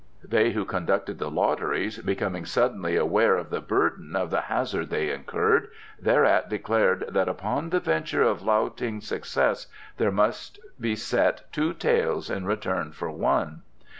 They who conducted the lotteries, becoming suddenly aware of the burden of the hazard they incurred, thereat declared that upon the venture of Lao Ting's success there must be set two taels in return for one.